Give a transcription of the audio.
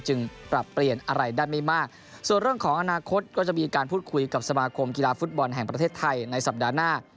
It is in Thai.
ปรับเปลี่ยนอะไรได้ไม่มากส่วนเรื่องของอนาคตก็จะมีการพูดคุยกับสมาคมกีฬาฟุตบอลแห่งประเทศไทยในสัปดาห์หน้า